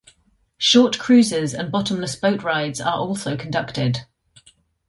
Short cruises and bottomless boat rides are also conducted.